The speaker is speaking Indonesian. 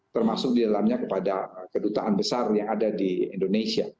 termasuk di dalamnya kepada kedutaan besar yang ada di indonesia